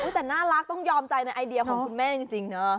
แต่น่ารักต้องยอมใจในไอเดียของคุณแม่จริงนะ